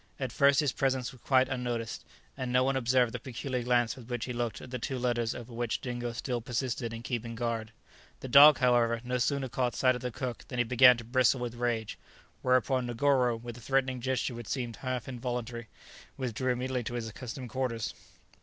At first his presence was quite unnoticed, and no one observed the peculiar glance with which he looked at the two letters over which Dingo still persisted in keeping guard. The dog, however, no sooner caught sight of the cook than he began to bristle with rage, whereupon Negoro, with a threatening gesture which seemed half involuntary, withdrew immediately to his accustomed quarters.